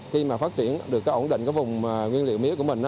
khi phát triển được ổn định vùng nguyên liệu mía của mình